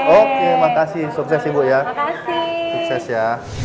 oke makasih sukses ibu ya sukses ya